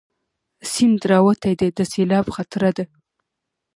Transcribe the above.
سيند راوتی دی، د سېلاب خطره ده